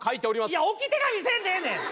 いや置き手紙せんでええねん。